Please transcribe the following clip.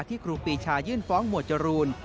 ครูปีชายื่นฟ้องหมวดจรูน